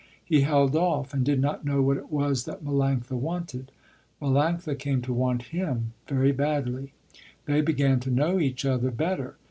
He held off and did not know what it was that Melanctha wanted. Melanctha came to want him very badly. They began to know each other better.